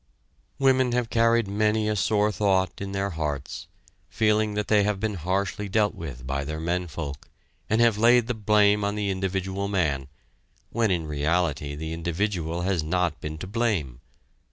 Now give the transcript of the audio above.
Women have carried many a sore thought in their hearts, feeling that they have been harshly dealt with by their men folk, and have laid the blame on the individual man, when in reality the individual has not been to blame.